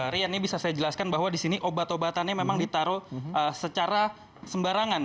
rian ini bisa saya jelaskan bahwa di sini obat obatannya memang ditaruh secara sembarangan